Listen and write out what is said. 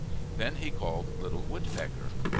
Then he called Little Woodpecker.